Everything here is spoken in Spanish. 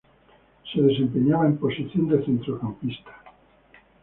Se desempeñaba en posición de centrocampista.